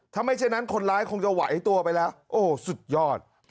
ถ้าไม่เช่นนั้นคนร้ายคงจะไหวตัวไปแล้วโอ้สุดยอด